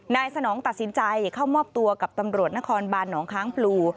สนองตัดสินใจเข้ามอบตัวกับตำรวจนครบานหนองค้างพลู